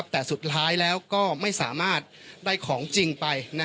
แต่สุดท้ายแล้วก็ไม่สามารถได้ของจริงไป